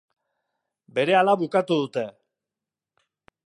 Berehala bukatu dute.